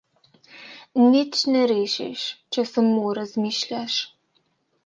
Nič ne rešiš, če samo razmišljaš.